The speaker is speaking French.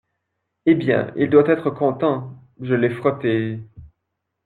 Eh bien, il doit être content ! je l’ai frotté…